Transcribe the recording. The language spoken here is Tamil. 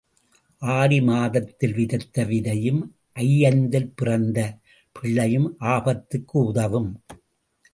ஆடி மாதத்தில் விதைத்த விதையும் ஐயைந்தில் பிறந்த பிள்ளையும் ஆபத்துக்கு உதவும்.